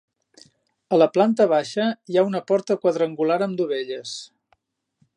A la planta baixa hi ha una porta quadrangular amb dovelles.